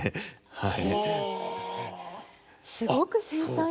はい。